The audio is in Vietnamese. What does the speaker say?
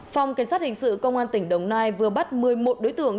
phòng cảnh sát hình sự công an tỉnh đồng nai vừa bắt một mươi một đối tượng